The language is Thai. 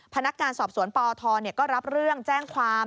พนักงานสอบสวนปอทก็รับเรื่องแจ้งความ